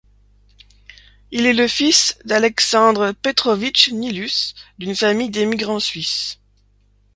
Il est le fils d'Aleksandr Petrovitch Nilus, d'une famille d'émigrants suisses.